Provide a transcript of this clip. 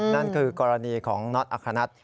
นั่นคือกรณีของน็อตอัคคณัฐ